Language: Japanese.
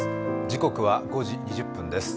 時刻は５時２０分です。